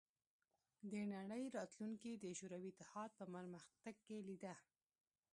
د نړۍ راتلونکې د شوروي اتحاد په پرمختګ کې لیده